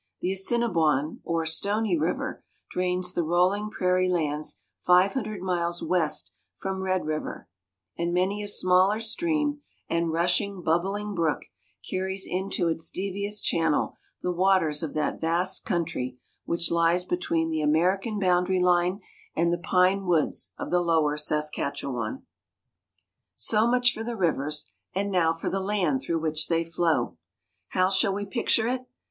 The Assiniboine or "stony river" drains the rolling prairie lands five hundred miles west from Red River; and many a smaller stream, and rushing, bubbling brook, carries into its devious channel the waters of that vast country which lies between the American boundary line and the pine woods of the Lower Saskatchewan. So much for the rivers; and now for the land through which they flow. How shall we picture it?